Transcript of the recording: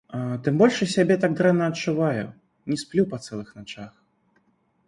Тым больш я сябе так дрэнна адчуваю, не сплю па цэлых начах.